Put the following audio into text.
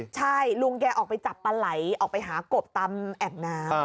ใช่ลุงแกออกไปจับปลาไหลออกไปหากบตามแอ่งน้ำ